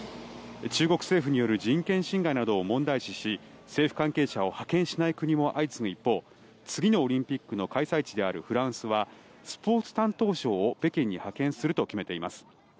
中国政府による人権侵害などを問題視し政府関係者を派遣しない国も相次ぐ一方次のオリンピックの開催地であるフランスはスポーツ担当相を北京に派遣すると決めています。